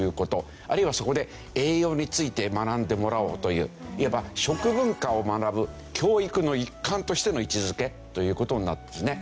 あるいはそこで栄養について学んでもらおうといういわば食文化を学ぶ教育の一環としての位置づけという事になるんですね。